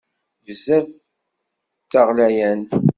Bezzaf d taɣlayant!